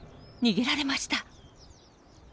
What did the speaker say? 逃げられました。